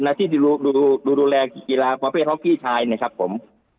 นักที่ดูดูแลกีฬาประเภทฮอกกี้ชายเนี่ยครับผม